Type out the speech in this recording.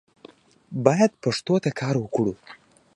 باید پښتو ته کار وکړو